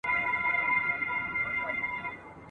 چي پښېمانه سوه له خپله نصیحته ..